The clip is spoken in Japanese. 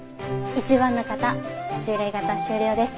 １番の方従来型終了です。